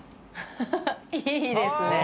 いいですね。